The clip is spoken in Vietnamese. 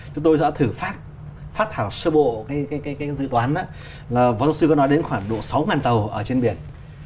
chúng tôi đã thử phát thảo sơ bộ dự toán là phó sư có nói đến khoảng độ sáu tàu ở trên biển